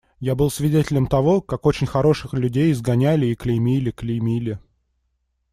Я был свидетелем того, как очень хороших людей изгоняли и клеймили, клеймили.